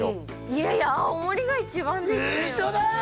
いやいや青森が一番ですよ嘘だよ！